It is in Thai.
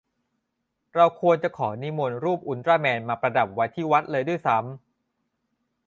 ควรจะขอนิมนต์รูปอุลตร้าแมนมาประดับไว้ที่วัดเลยด้วยซ้ำ